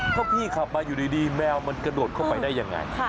ถ้าพี่ขับมาอยู่ดีแมวมันกระโดดเข้าไปได้ยังไง